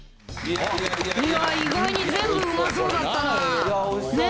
意外に全部うまそうだったな。